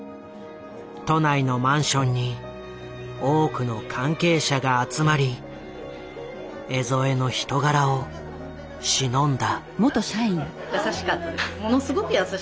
都内のマンションに多くの関係者が集まり江副の人柄をしのんだ。